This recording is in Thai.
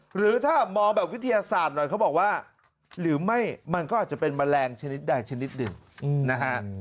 หรือถ้ามองแบบวิทยาศาสตร์หน่อยเขาบอกว่าหรือไม่มันก็อาจจะเป็นแมลงชนิดใดชนิดหนึ่งนะฮะ